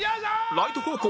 ライト方向！